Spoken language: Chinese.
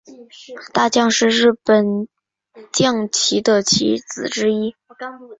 大将是日本将棋的棋子之一。